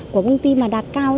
của công ty mà đạt cao